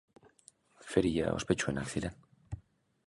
Feria ospetsuenak ziren.